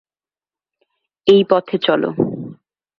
এই পথে চলো।